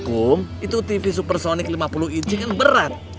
aku itu tv supersonik lima puluh inci kan berat